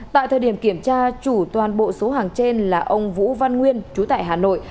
tại thời điểm kiểm tra chủ toàn bộ số hàng trên là ông vũ văn nguyên chú tại hà nội